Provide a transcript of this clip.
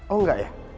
oh enggak ya